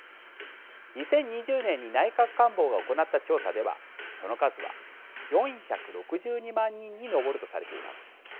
２０２０年に内閣官房が行った調査ではその数は４６２万人に上るとされています。